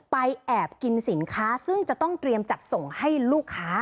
แอบกินสินค้าซึ่งจะต้องเตรียมจัดส่งให้ลูกค้า